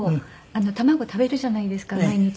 卵食べるじゃないですか毎日。